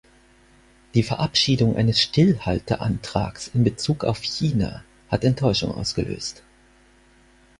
Die Verabschiedung eines Stillhalte-Antrags in Bezug auf China hat Enttäuschung ausgelöst.